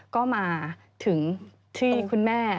ก็มาถึงที่คุณแม่